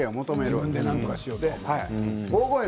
自分でなんとかしようとしないで。